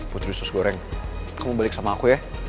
putri susgoreng kamu balik sama aku ya